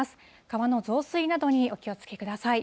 川の増水などにお気をつけください。